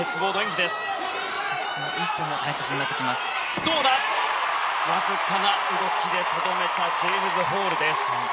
着地、わずかな動きでとどめたジェームズ・ホールです。